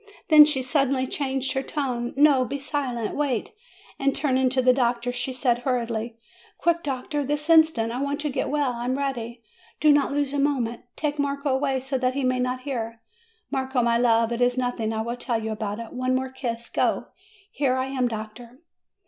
Then she suddenly changed her tone: "No! Be silent! Wait!" And turning to the doctor, she said hurriedly: "Quick, doctor! this instant! I want to get well. I am ready. Do not lose a moment. Take Marco away, so that he may not hear. Marco, my love, it is nothing. I will tell you about it. One more kiss. Go! Here I am, doctor."